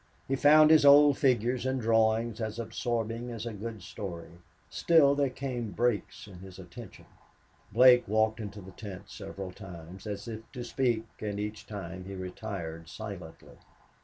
He found his old figures and drawings as absorbing as a good story; still, there came breaks in his attention. Blake walked into the tent several times, as if to speak, and each time he retired silently.